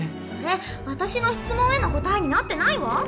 それ私の質問への答えになってないわ。